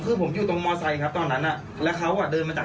รูปโทรศัพท์อ่าใช่ครับใช่ครับก็เห็นผู้ตายกลับจำเลยว่า